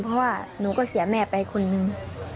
เพราะว่าหนูก็เสียแม่ไปคนนึง